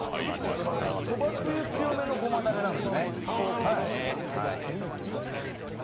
そばつゆ強めの練りごまなんですね。